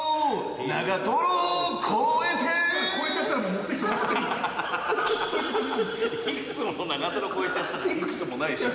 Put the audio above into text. いくつもの長瀞越えちゃったらいくつもないしね